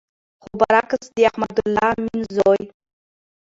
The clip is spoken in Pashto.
خو بر عکس د احمد الله امین زوی